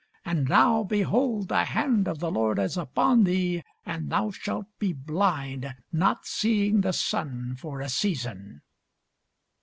And now, behold, the hand of the Lord is upon thee, and thou shalt be blind, not seeing the sun for a season.